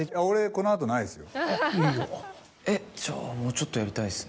えっじゃあもうちょっとやりたいですね。